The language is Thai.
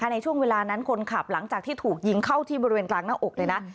ในช่วงเวลานั้นคนขับหลังจากที่ถูกยิงเข้าที่บริเวณกลางหน้าอกเลยนะ